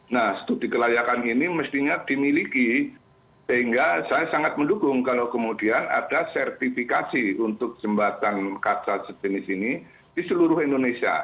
nah studi kelayakan ini mestinya dimiliki sehingga saya sangat mendukung kalau kemudian ada sertifikasi untuk jembatan kaca sejenis ini di seluruh indonesia